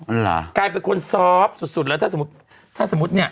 อันล่ะกลายเป็นคนซอฟต์สุดแล้วถ้าสมมุติเนี่ย